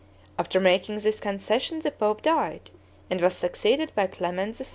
After making this concession the pope died, and was succeeded by Clement VI.